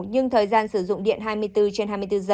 nhưng thời gian sử dụng điện hai mươi bốn trên hai mươi bốn giờ